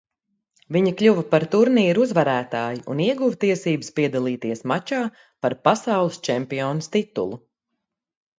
Viņa kļuva par turnīra uzvarētāju un ieguva tiesības piedalīties mačā par pasaules čempiones titulu.